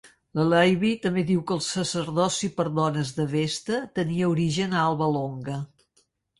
La Livy també diu que el sacerdoci per dones de Vesta tenia origen a Alba Longa.